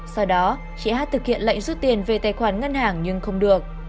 sau đó chị hát thực hiện lệnh rút tiền về tài khoản ngân hàng nhưng không được